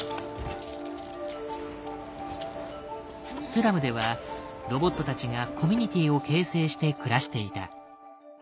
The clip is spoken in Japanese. スラムではロボットたちがコミュニティーを形成して暮らしていた。